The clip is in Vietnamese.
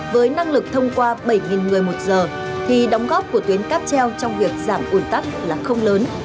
với năng lực thông qua bảy người một giờ thì đóng góp của tuyến cáp treo trong việc giảm ủn tắc là không lớn